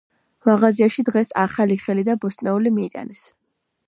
მაღაზიაში დღეს ახალი ხილი და ბოსტნეული მიიტანეს.